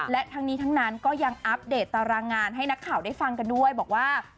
และทั้งนี้ทั้งนั้นก็ยังอัปเดตตารางงานให้นักข่าวได้ฟังกันด้วยบอกว่า